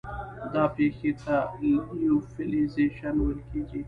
دا پېښې ته لیوفیلیزیشن ویل کیږي.